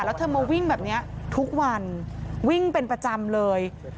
แล้วเธอมาวิ่งแบบนี้ทุกวันวิ่งเป็นประจำเลย